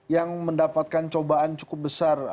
yang mendapatkan cobaan cukup besar